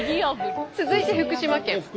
続いて福島県。